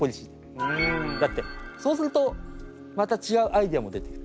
だってそうするとまた違うアイデアも出てくる。